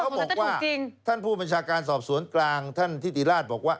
บอกว่าท่านผู้บัญชาการสอบสวนกลางท่านทิติราชบอกว่า